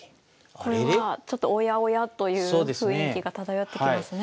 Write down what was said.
これはちょっとおやおやという雰囲気が漂ってきますね。